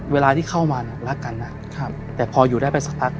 เวลาที่เข้ามาเนี่ยรักกันนะแต่พออยู่ได้ไปสักพัก